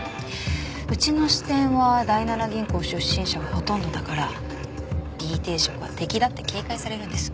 うちの支店は第七銀行出身者がほとんどだからＢ定食は敵だって警戒されるんです。